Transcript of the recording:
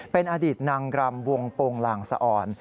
เป็นอดีตนางรำวงโปรงลางสะอ่อน